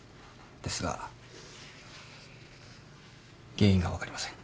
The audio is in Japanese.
ですが原因が分かりません。